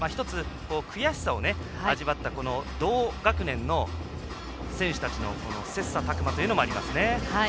１つ、悔しさを味わった同学年の選手たちの切さたく磨というのもありますね。